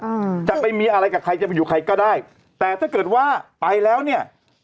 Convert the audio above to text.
อืมจะไปมีอะไรกับใครจะไปอยู่ใครก็ได้แต่ถ้าเกิดว่าไปแล้วเนี่ย